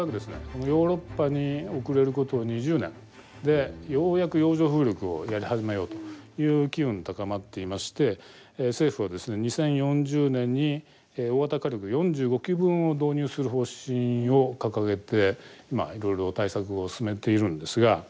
このヨーロッパに遅れること２０年でようやく洋上風力をやり始めようという機運高まっていまして政府はですね２０４０年に大型火力４５基分を導入する方針を掲げて今いろいろ対策を進めているんですが。